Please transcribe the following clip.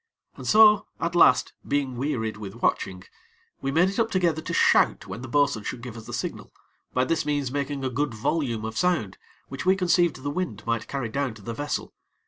And so, at last, being wearied with watching, we made it up together to shout when the bo'sun should give us the signal, by this means making a good volume of sound which we conceived the wind might carry down to the vessel.